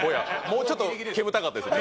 もうちょっと煙たかったです